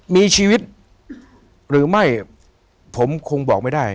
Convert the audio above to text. มีชีวิตหรือไม่ผมคงบอกไม่ได้